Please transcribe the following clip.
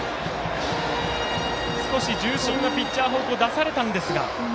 少し重心がピッチャー方向出されたんですが。